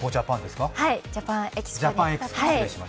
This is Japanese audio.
ジャパン・エキスポ。